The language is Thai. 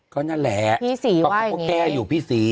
ก็นั่นแหละพี่ศรีว่าอย่างนี้เขาก็แก้อยู่พี่ศรี